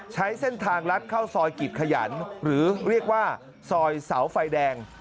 ใช้เส้นทางลัดเข้าซอยกิจขยันหรือเรียกว่าซอยเสาไฟแดง